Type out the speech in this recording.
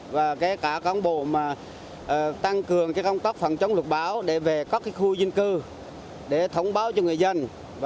và cán bộ tăng cường công tốc phần chống lục báo về các khu dân cư để thông báo cho người dân